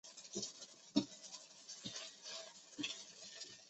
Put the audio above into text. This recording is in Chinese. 实质非蕴涵是对实质蕴涵的否定。